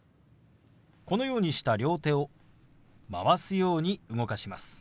このようにした両手を回すように動かします。